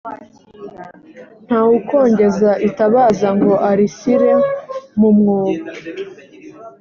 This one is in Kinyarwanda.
nta wukongeza itabaza ngo arishyire mu mwobo